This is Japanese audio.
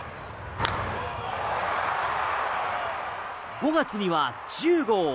５月には１０号。